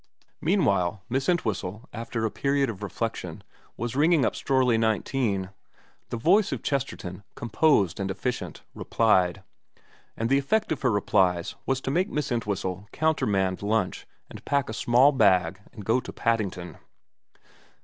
Meanwhile Miss Entwhistle, after a period of reflec tion, was ringing up Strorley 19. The voice of Chesterton, composed and efficient, replied ; and the effect of her replies was to make Miss Entwhistle countermand lunch and pack a small bag and go to Paddington.